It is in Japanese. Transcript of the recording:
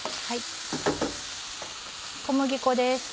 小麦粉です。